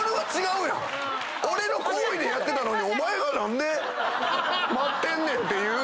俺の好意でやってたのにお前が何で待ってんねん⁉っていう。